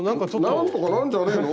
なんとかなるんじゃねぇの？